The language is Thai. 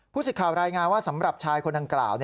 ผู้สิทธิ์ข่าวรายงานว่าสำหรับชายคนนั้นกล่าว